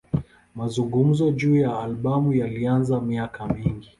Mazungumzo juu ya albamu yalianza miaka mingi.